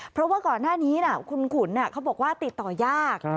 เพราะว่าก่อนหน้านี้คุณขุนเขาบอกว่าติดต่อยาก